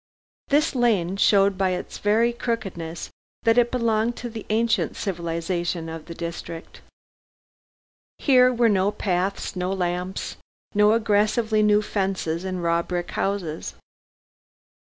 This lane showed by its very crookedness that it belonged to the ancient civilization of the district. Here were no paths, no lamps, no aggressively new fences and raw brick houses.